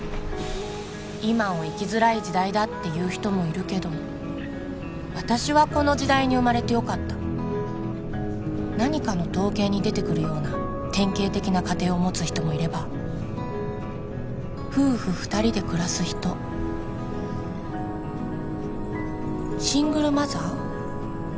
今を生きづらい時代だっていう人もいるけど私はこの時代に生まれてよかった何かの統計に出てくるような典型的な家庭を持つ人もいれば夫婦二人で暮らす人シングルマザー？